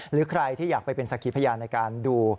หรือใครที่อยากไปเป็นสักขีพยานในการดู